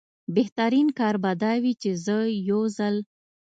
بهترین کار به دا وي چې زه یو ځل.